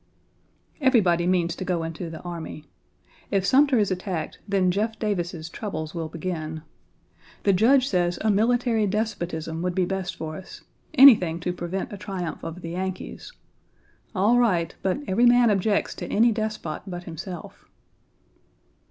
Everybody means to go into the army. If Sumter is attacked, then Jeff Davis's troubles will begin. The Judge says a military despotism would be best for us anything to prevent a triumph of the Yankees. All right, but every man objects to any despot but himself.